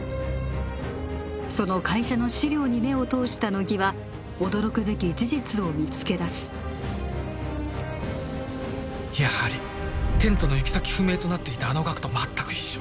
その会社の資料に目を通した乃木は驚くべき事実を見つけ出すやはりテントの行き先不明となっていたあの額と全く一緒